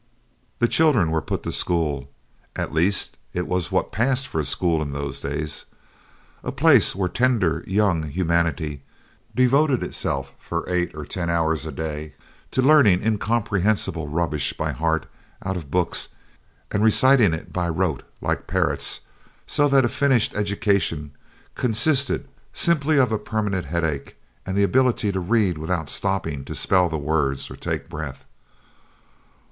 The children were put to school; at least it was what passed for a school in those days: a place where tender young humanity devoted itself for eight or ten hours a day to learning incomprehensible rubbish by heart out of books and reciting it by rote, like parrots; so that a finished education consisted simply of a permanent headache and the ability to read without stopping to spell the words or take breath.